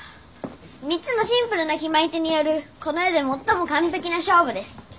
「３つ」のシンプルな決まり手によるこの世で最も完璧な勝負です。